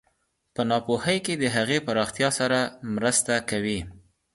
په ناپوهۍ کې د هغې پراختیا سره مرسته کوي.